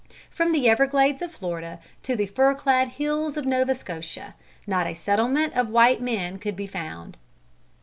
From the everglades of Florida to the firclad hills of Nova Scotia, not a settlement of white men could be found.